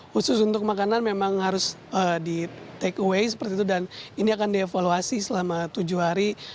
khusus untuk makanan memang harus di take away seperti itu dan ini akan dievaluasi selama tujuh hari